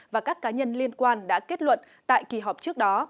và các cá nhân liên quan đã kết luận tại kỳ họp trước đó